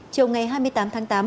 chiều ngày hai mươi tám tháng tám